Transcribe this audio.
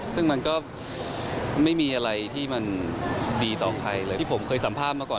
ซึ่งมันก็ไม่มีอะไรที่มันดีต่อใครเลยที่ผมเคยสัมภาษณ์มาก่อน